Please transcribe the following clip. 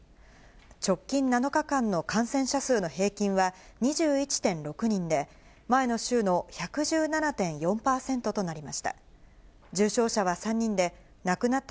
直近７日間の感染者数の平均は２１．６人で、前の週の１１７．４％となりました。